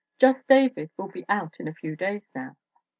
Just David will be out in a few days now.